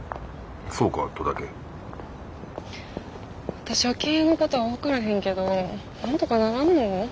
私は経営のことは分からへんけどなんとかならんの？